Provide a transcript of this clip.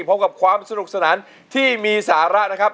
พร้อมกับสนุกสนานที่มีสาระนะครับ